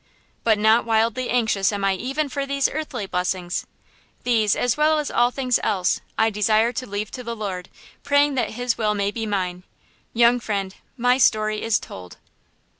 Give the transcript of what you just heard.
But not wildly anxious am I even for these earthly blessings. These, as well as all things else, I desire to leave to the Lord, praying that His will may be mine. Young friend, my story is told."